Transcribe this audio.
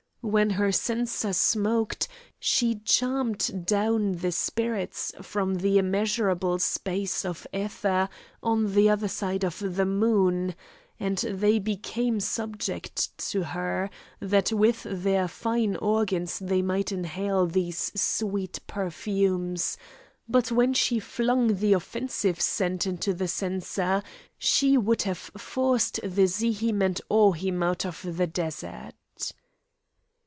When her censer smoked, she charmed down the spirits from the immeasurable space of ether on the other side of the moon, and they became subject to her, that with their fine organs they might inhale these sweet perfumes, but when she flung the offensive scent into the censer, she would have forced the Zihim and Ohim out of the desert.